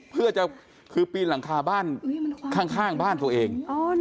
เพื่อจะคือปีนหลังคาบ้านข้างบ้านตัวเอง